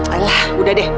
alah udah deh